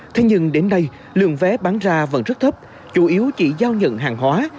thế nhưng đến nay lượng vé bán ra vẫn rất thấp chủ yếu chỉ giao nhận hàng hóa